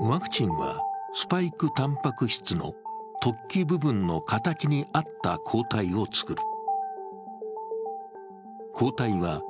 ワクチンはスパイクたんぱく質の突起部分の形に合った抗体を作り、抗体を作る。